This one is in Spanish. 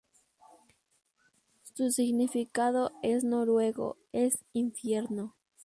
Su significado en noruego es "infierno".